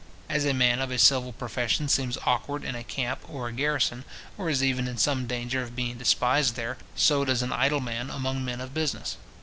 As a man of a civil profession seems awkward in a camp or a garrison, and is even in some danger of being despised there, so does an idle man among men of business.